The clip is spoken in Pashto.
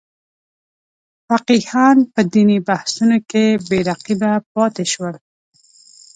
فقیهان په دیني بحثونو کې بې رقیبه پاتې شول.